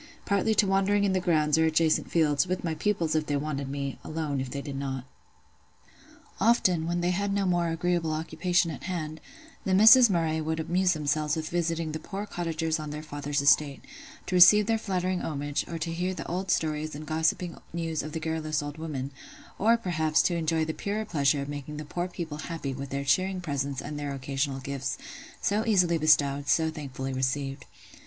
partly to wandering in the grounds or adjacent fields, with my pupils if they wanted me, alone if they did not. Often, when they had no more agreeable occupation at hand, the Misses Murray would amuse themselves with visiting the poor cottagers on their father's estate, to receive their flattering homage, or to hear the old stories or gossiping news of the garrulous old women; or, perhaps, to enjoy the purer pleasure of making the poor people happy with their cheering presence and their occasional gifts, so easily bestowed, so thankfully received.